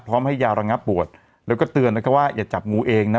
พร้อมให้ยาวรังงะปวดแล้วก็เตือนนะครับว่าอย่าจับงูเองนะ